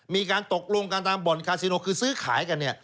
มีการตกลงกันตามบ่อนคาซิโนคือซื้อขายกันเนี่ย